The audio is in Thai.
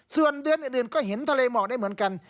ส่วนเดือนอื่นก็เห็นทะเลหมอกได้เหมือนกัน